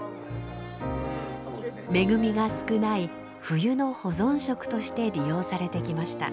恵みが少ない冬の保存食として利用されてきました。